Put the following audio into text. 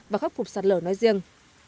và khắc phục sạt lở nói riêng